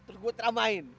terus gue teramain